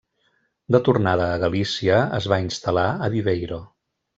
De tornada a Galícia, es va instal·lar a Viveiro.